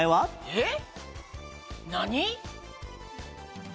えっ？